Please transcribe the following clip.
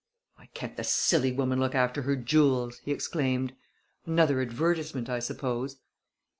"Why can't the silly woman look after her jewels?" he exclaimed. "Another advertisement, I suppose."